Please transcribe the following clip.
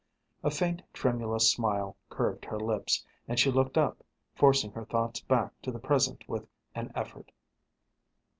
A faint tremulous smile curved her lips, and she looked up, forcing her thoughts back to the present with an effort.